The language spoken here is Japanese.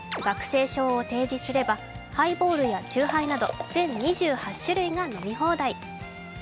学生証を提示すれば、ハイボールや酎ハイなど全２８種類が飲み放題。